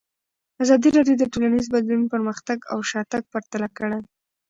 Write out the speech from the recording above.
ازادي راډیو د ټولنیز بدلون پرمختګ او شاتګ پرتله کړی.